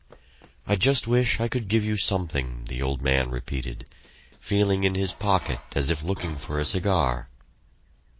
"I just wish I could give you something," the old man repeated, feeling in his pocket as if looking for a cigar.